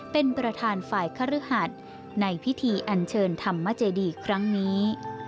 เป็นประธานฝ่ายคฤหัสในพิธีอันเชิญธรรมเจดีครั้งนี้